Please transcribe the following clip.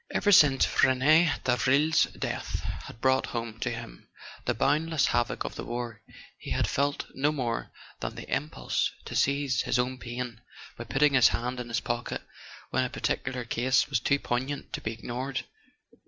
Even since Rene Davril's death had brought home to him the boundless havoc of the war, he had felt no more than the impulse to ease his own pain by putting his hand in his pocket when a particular case was too poignant to be ignored.